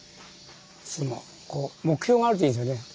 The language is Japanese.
そのこう目標があるといいですよね。